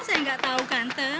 saya nggak tahu ganteng